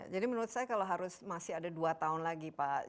jadi menurut saya kalau harus masih ada dua tahun lagi